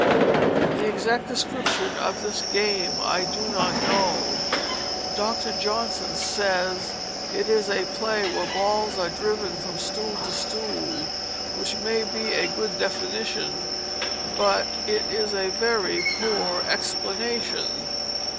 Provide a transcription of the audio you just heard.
The exact description of this game I do not know. Dr. Johnson says it is a play where balls are driven from stool to stool, which may be a good definition, but is a very poor explanation.